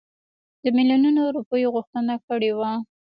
د میلیونونو روپیو غوښتنه کړې وای.